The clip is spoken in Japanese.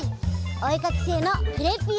おえかきせいのクレッピーだよ！